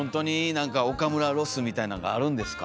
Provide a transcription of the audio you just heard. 何か岡村ロスみたいなんがあるんですか？